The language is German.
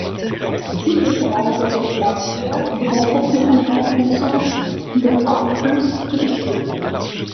Üblicherweise wird daher die Wasserführung herangezogen, um den Hauptfluss zu bestimmen.